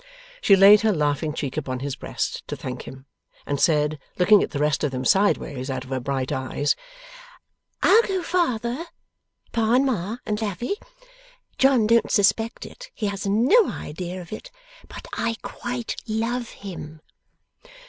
She laid her laughing cheek upon his breast to thank him, and said, looking at the rest of them sideways out of her bright eyes: 'I'll go further, Pa and Ma and Lavvy. John don't suspect it he has no idea of it but I quite love him!